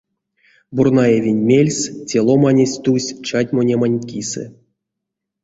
Бурнаевень мельс те ломанесь тусь чатьмонеманть кисэ.